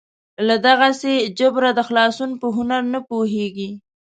له دغسې جبره د خلاصون په هنر نه پوهېږي.